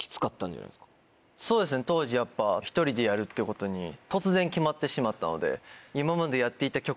そうですね当時やっぱ１人でやるっていうことに突然決まってしまったので。